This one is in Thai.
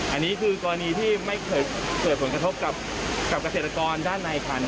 อันนี้คือกรณีที่ไม่เคยเกิดผลกระทบกับเกษตรกรด้านในค่ะ